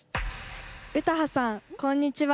詩羽さんこんにちは。